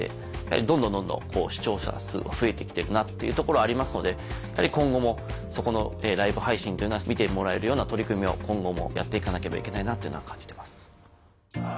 どんどんどんどん視聴者数は増えてきてるなってところはありますので今後もライブ配信っていうのは見てもらえるような取り組みを今後もやっていかなければいけないなというのは感じてます。